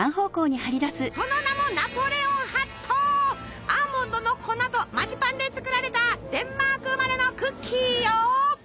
その名もアーモンドの粉とマジパンで作られたデンマーク生まれのクッキーよ。